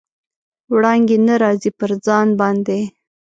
وړانګې نه راځي، پر ځان باندې